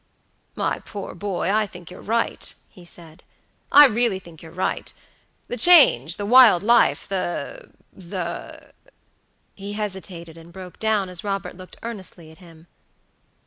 "My poor boy, I think you're right," he said, "I really think you're right. The change, the wild life, thethe" He hesitated and broke down as Robert looked earnestly at him.